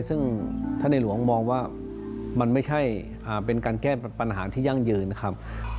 ซึ่งท่านในหลวงมองว่ามันไม่ใช่เป็นการแก้ปัญหาที่ยั่งยืนนะครับ